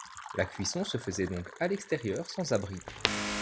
La cuisson se faisait donc à l’extérieur, sans abri.